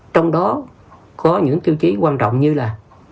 trong đó có những tiêu chí quan trọng như là